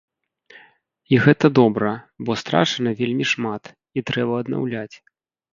І гэта добра, бо страчана вельмі шмат, і трэба аднаўляць.